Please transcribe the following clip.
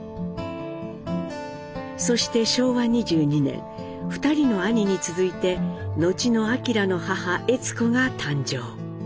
そして昭和２２年２人の兄に続いてのちの明の母・悦子が誕生。